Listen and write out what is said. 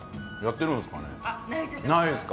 ないです。